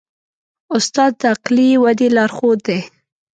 استاد د عقلي ودې لارښود دی.